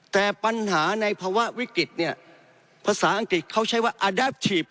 แต่ปัญหาในภาวะวิกฤตเนี่ยภาษาอังกฤษเขาใช้ว่าอดับฉีฟ